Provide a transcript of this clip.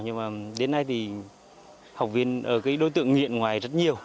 nhưng mà đến nay thì học viên đối tượng nghiện ngoài rất nhiều